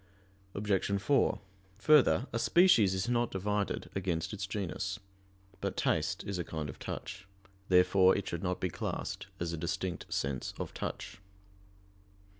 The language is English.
Obj. 4: Further, a species is not divided against its genus. But taste is a kind of touch. Therefore it should not be classed as a distinct sense of touch.